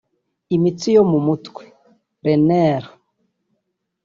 iminsi yo mu mutwe (les nerfs )